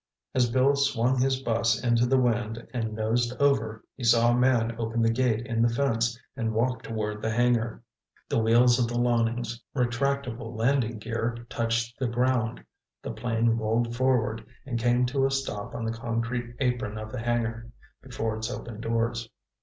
As Bill swung his bus into the wind and nosed over, he saw a man open the gate in the fence and walk toward the hangar. The wheels of the Loening's retractable landing gear touched the ground. The plane rolled forward, and came to a stop on the concrete apron of the hangar, before its open doors.